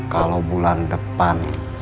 kalau bulan depan